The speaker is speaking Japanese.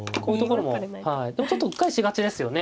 でもちょっとうっかりしがちですよね。